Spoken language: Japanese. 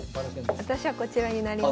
私はこちらになります。